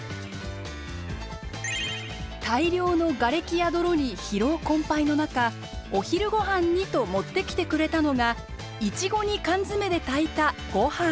大量のガレキや泥に疲労困憊の中お昼ごはんにと持ってきてくれたのがいちご煮缶詰で炊いたごはん。